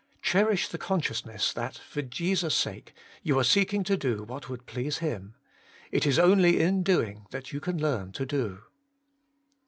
Cherish the consciousness that, for Jesus' sake, you are seeking to do what would please Him. It is only in doing you can learn to do.